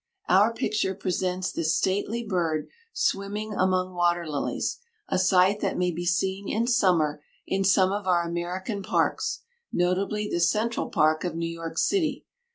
Our picture presents this stately bird swimming among water lilies, a sight that may be seen in summer in some of our American parks, notably the Central Park of New York City.